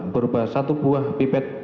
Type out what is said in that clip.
berubah satu buah pipet